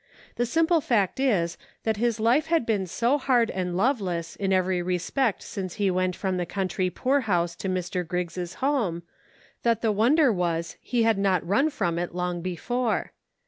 The simple fact is, that his life had IN SEARCH OF HOME. 2$ been so hard and loveless in every respect since he went from the county poorhouse to Mr. Griggs' home, that the wonder was he had not run from it long before.